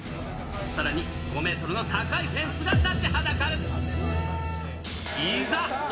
さらに５メートルの高いフェンスが立ちはだかる。